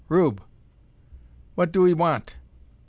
Rube!" "What doo 'ee want?"